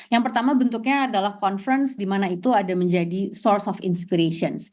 yang pertama bentuknya adalah conference di mana itu ada menjadi source of inspirations